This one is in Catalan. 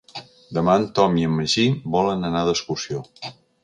Demà en Tom i en Magí volen anar d'excursió.